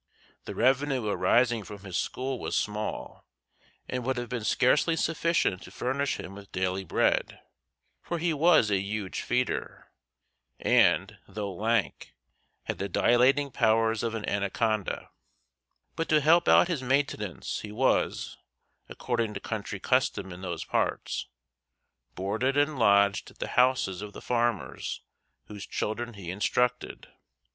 The revenue arising from his school was small, and would have been scarcely sufficient to furnish him with daily bread, for he was a huge feeder, and, though lank, had the dilating powers of an anaconda; but to help out his maintenance he was, according to country custom in those parts, boarded and lodged at the houses of the farmers whose children he instructed.